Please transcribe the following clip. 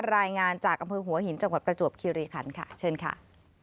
รายงานจากอำเภอหัวหินจังหวัดประจวบคิริคันค่ะเชิญค่ะ